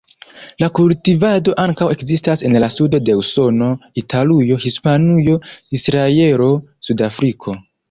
La kultivado ankaŭ ekzistas en la sudo de Usono, Italujo, Hispanujo, Israelo, Sudafriko.